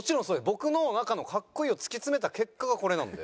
僕の中のかっこいいを突き詰めた結果がこれなんで。